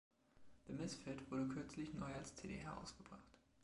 „The Misfit“ wurde kürzlich neu als CD herausgebracht.